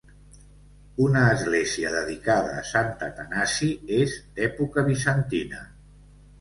Una església dedicada a Sant Atanasi és d'època bizantina.